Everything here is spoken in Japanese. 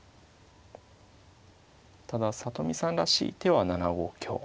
ただ里見さんらしい手は７五香。